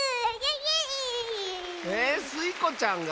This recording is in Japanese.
えスイ子ちゃんが？